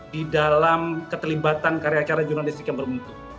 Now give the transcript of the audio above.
di dalam ketelibatan karya karya jurnalistik yang bermutu